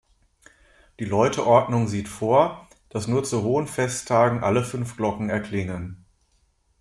Die Läuteordnung sieht vor, dass nur zu hohen Festtagen alle fünf Glocken erklingen.